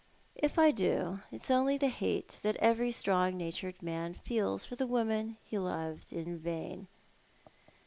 " If I do it is only the hate that every strong natured man feels for the woman he loved in vain.